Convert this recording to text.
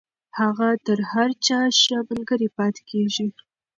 هغه تر هر چا ښه ملگرې پاتې کېږي.